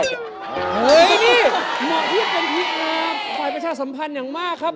เฮ้ยนี่เหมาะพี่กับพี่อาฝ่ายประชาสัมพันธ์อย่างมากครับ